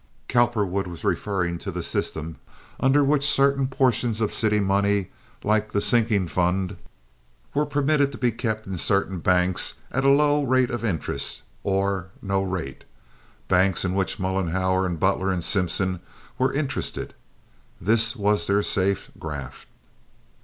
Cowperwood was referring to the system under which certain portions of city money, like the sinking fund, were permitted to be kept in certain banks at a low rate of interest or no rate—banks in which Mollenhauer and Butler and Simpson were interested. This was their safe graft.